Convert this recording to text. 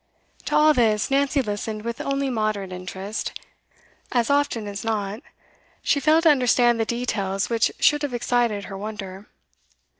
To all this Nancy listened with only moderate interest; as often as not, she failed to understand the details which should have excited her wonder.